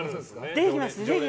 出てきます。